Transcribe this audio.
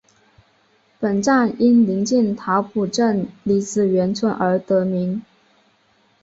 本站因临近桃浦镇李子园村而得名。